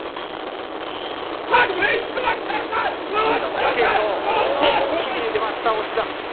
貴景勝、一気に出ました押し出し。